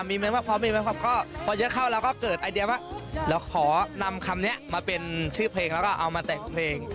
มีเมียพร้อมมาพอเยอะเข้าแล้วก็เกิดไอเดียวว่าเราขอนำคำเนี้ยมาเป็นชื่อเพลงแล้วก็เอามาแต่งเพลง